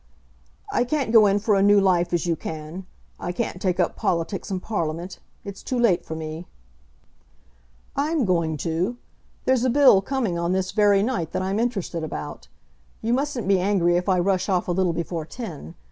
"I can't go in for a new life as you can. I can't take up politics and Parliament. It's too late for me." "I'm going to. There's a Bill coming on this very night that I'm interested about. You mustn't be angry if I rush off a little before ten.